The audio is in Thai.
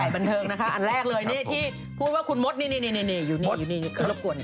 บันเทิงนะคะอันแรกเลยนี่ที่พูดว่าคุณมดนี่อยู่นี่เขารบกวน